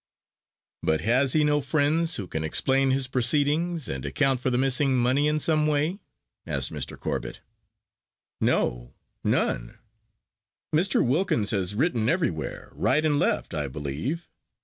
"But has he no friends who can explain his proceedings, and account for the missing money, in some way?" asked Mr. Corbet. "No, none. Mr. Wilkins has written everywhere, right and left, I believe.